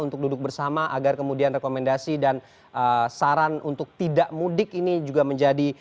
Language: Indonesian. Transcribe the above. untuk duduk bersama agar kemudian rekomendasi dan saran untuk tidak mudik ini juga menjadi